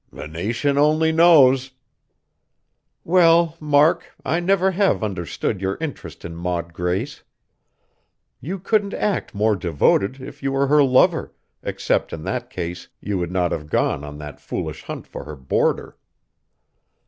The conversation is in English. "The nation only knows!" "Well, Mark, I never have understood your interest in Maud Grace. You couldn't act more devoted, if you were her lover, except in that case you would not have gone on that foolish hunt for her boarder."